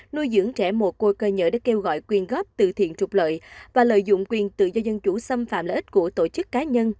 nuôi dưỡng trẻ một cô cơ nhở để kêu gọi quyền góp tự thiện trục lợi và lợi dụng quyền tự do dân chủ xâm phạm lợi ích của tổ chức cá nhân